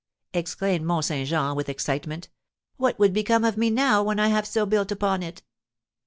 exclaimed Mont Saint Jean, with excitement. "What would become of me now, when I have so built upon it?"